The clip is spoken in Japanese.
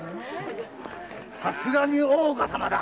さすがに大岡様だ。